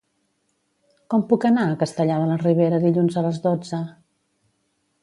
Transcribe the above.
Com puc anar a Castellar de la Ribera dilluns a les dotze?